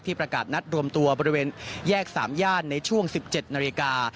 ประกาศนัดรวมตัวบริเวณแยก๓ย่านในช่วง๑๗นาฬิกา